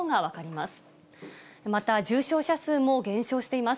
また重症者数も減少しています。